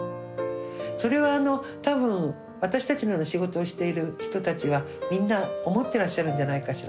それは多分私たちのような仕事をしている人たちはみんな思ってらっしゃるんじゃないかしら。